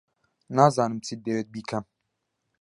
نازانم چیت دەوێت بیکەم.